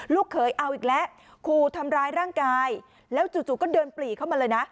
เขยเอาอีกแล้วขู่ทำร้ายร่างกายแล้วจู่ก็เดินปลีเข้ามาเลยนะ